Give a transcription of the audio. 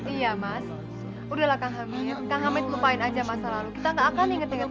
iya mas udahlah kak hamid lupain aja masa lalu kita nggak akan inget inget